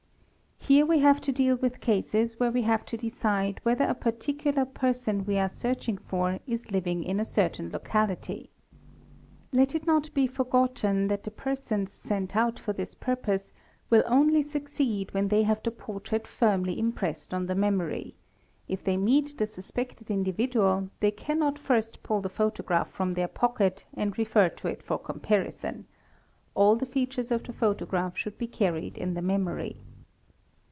Here we : to deal with cases where we have to decide whether a particular ~ 270 THE EXPERT person we are searching for is living in a certain locality. Let it not be 4 forgotten that the persons sent out for this purpose will only succeed when they have the portrait firmly impressed on the memory ; if they meet the suspected individual they cannot first pull the photograph from their pocket and refer to it for comparison; all the features of the — photograph should be carried in the memory.